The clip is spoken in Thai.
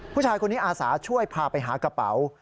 ผู้ชายคนนี้อาสาช่วยพาไปหากระเป๋า